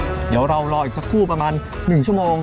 เดี๋ยวเรารออีกสักครู่ประมาณ๑ชั่วโมง